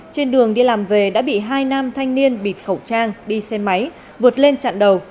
trên đường đi làm về đã bị hai nam thanh niên bịt khẩu trang đi xe máy vượt lên chặn đầu